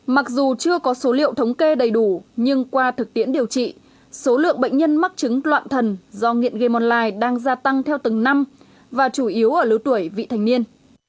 mặc dù chưa có số liệu thống kê đầy đủ nhưng qua thực tiễn điều trị số lượng bệnh nhân mắc chứng loạn thần do nghiện game online đang gia tăng theo từng năm và chủ yếu ở lứa tuổi vị thành niên